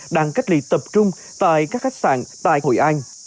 đang cách ly tập trung tại các khách sạn tại hội an